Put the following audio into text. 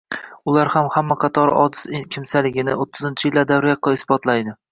ular ham hamma qatori ojiz kimsaligini o‘ttizinchi yillar davri yaqqol isbotlaydi.